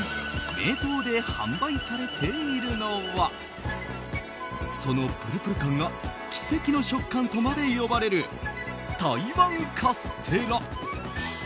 名東で販売されているのはそのプルプル感が奇跡の食感とまで呼ばれる台湾カステラ。